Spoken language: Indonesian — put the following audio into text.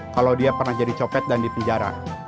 kalau dia pernah jadi copet dan di penjara